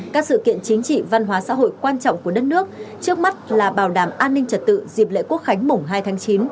các sự kiện chính trị văn hóa xã hội quan trọng của đất nước trước mắt là bảo đảm an ninh trật tự dịp lễ quốc khánh mùng hai tháng chín